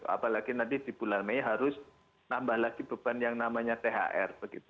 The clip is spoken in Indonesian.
apalagi nanti di bulan mei harus nambah lagi beban yang namanya thr